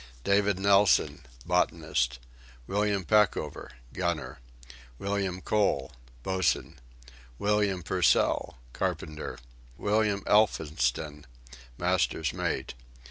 David Nelson: Botanist. William Peckover: Gunner. William Cole: Boatswain. William Purcell: Carpenter. William Elphinston: Master's Mate.